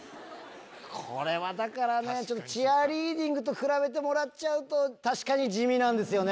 これはだからチアリーディングと比べてもらっちゃうと確かに地味なんですよね。